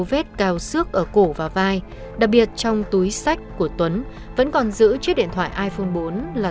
vết cao xước ở cổ và vai đặc biệt trong túi sách của tuấn vẫn còn giữ chiếc điện thoại iphone bốn là